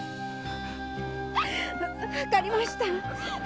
分かりました。